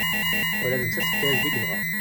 Ula d nettat tefka-yas-d i yebɣa.